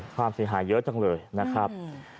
ความเสียหายเยอะจังเลยนะครับ